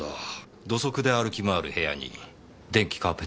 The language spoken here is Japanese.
土足で歩き回る部屋に電気カーペットですか？